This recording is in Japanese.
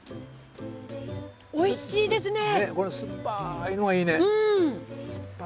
おいしいですね。